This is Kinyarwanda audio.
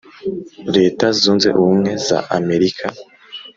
leta zunze ubumwe za america